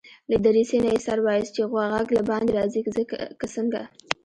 له دريڅې نه يې سر واېست چې غږ له باندي راځي که څنګه.